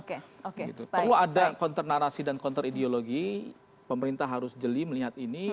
kalau ada kontra narasi dan kontra ideologi pemerintah harus jeli melihat ini